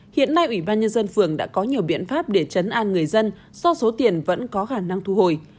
hiện nay ủy ban nhân dân phường đã có nhiều biện pháp để chấn an người dân do số tiền vẫn có khả năng thu hồi